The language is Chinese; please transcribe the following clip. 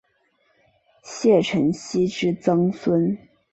谢承锡之曾孙。